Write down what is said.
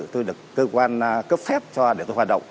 tôi được cơ quan cấp phép cho để tôi hoạt động